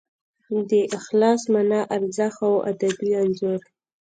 د اخلاص مانا، ارزښت او ادبي انځور